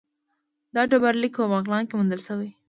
دا ډبرلیک په بغلان کې موندل شوی